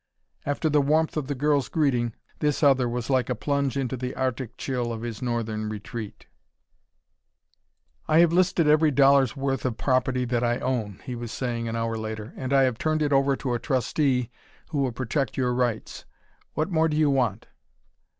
After the warmth of the girl's greeting, this other was like a plunge into the Arctic chill of his northern retreat. "I have listed every dollar's worth of property that I own," he was saying an hour later, "and I have turned it over to a trustee who will protect your rights. What more do you want?"